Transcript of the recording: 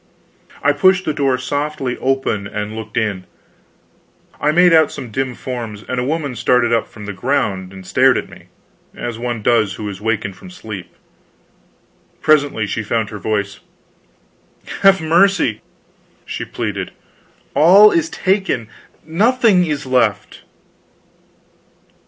I pushed the door softly open and looked in. I made out some dim forms, and a woman started up from the ground and stared at me, as one does who is wakened from sleep. Presently she found her voice: "Have mercy!" she pleaded. "All is taken, nothing is left."